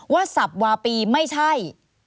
ว่าทรัพย์วาปีไม่ใช่